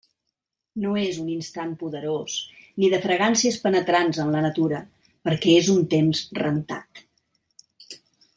No és un instant poderós, ni de fragàncies penetrants en la natura, perquè és un temps rentat.